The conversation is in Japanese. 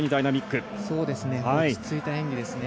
落ち着いた演技ですね。